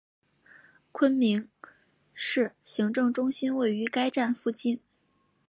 昆明市行政中心位于该站附近。